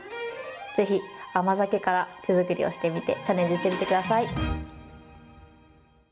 ぜひ、甘酒から手作りをしてみて、チャレンジしてみてください。